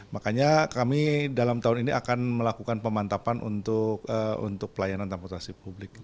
makanya kami dalam tahun ini akan melakukan pemantapan untuk pelayanan transportasi publik